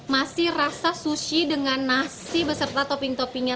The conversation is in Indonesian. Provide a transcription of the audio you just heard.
masih rasa sushi dengan nasi beserta topping toppingnya